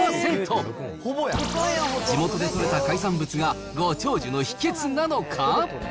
地元で取れた海産物がご長寿の秘けつなのか。